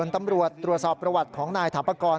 ตำรวจตรวจสอบประวัติของนายถาปกร